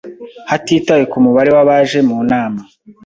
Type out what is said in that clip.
hatitawe ku mubare w abaje mu nama